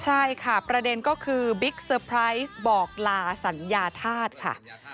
ใช่ค่ะประเด็นก็คือบิ๊กเซอร์ไพรส์บอกลาสัญญาธาตุค่ะ